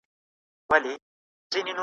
ولې خلک مختلف رفتارونه کوي؟